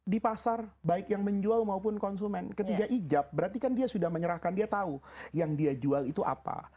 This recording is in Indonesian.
di pasar baik yang menjual maupun konsumen ketika ijab berarti kan dia sudah menyerahkan dia tahu yang dia jual itu apa